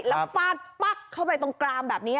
แล้วฟาดปั๊กเข้าไปตรงกรามแบบนี้